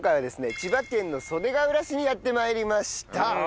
千葉県の袖ケ浦市にやって参りました。